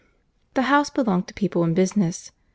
The house belonged to people in business.